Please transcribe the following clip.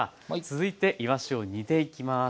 続いていわしを煮ていきます。